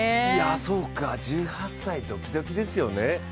そうか、１８歳、ドキドキですよね。